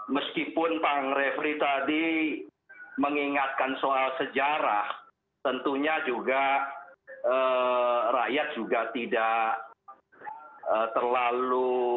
meskipun pak refri tadi mengingatkan soal sejarah tentunya juga rakyat juga tidak terlalu